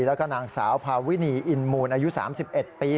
แล้วก็นางสาวพาวินีอินมูลอายุ๓๑ปี